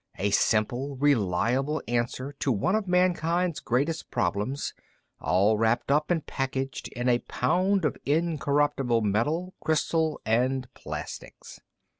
A simple, reliable answer to one of mankind's greatest problems, all wrapped and packaged in a pound of incorruptible metal, crystal and plastics.